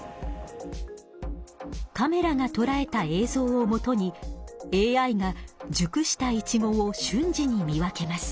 カメラがとらえた映像をもとにＡＩがじゅくしたイチゴをしゅん時に見分けます。